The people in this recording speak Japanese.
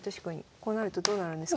こうなるとどうなるんですか？